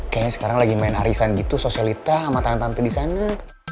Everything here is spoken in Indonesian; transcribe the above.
kayaknya sekarang lagi main arisan gitu sosialita sama tante tante disana